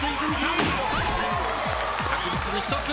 確実に１つ。